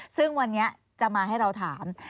ซึ่งวันนี้จะมาให้เราถาม